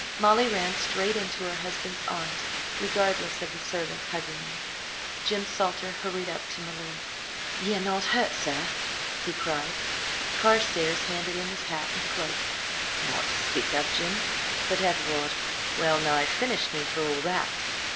Molly ran straight into her husband's arms, regardless of the servants, hugging him. Jim Salter hurried up to my lord. "Ye are not hurt, sir?" he cried. Carstares handed him his hat and cloak. "Nought to speak of, Jim. But 'Everard' well nigh finished me for all that!"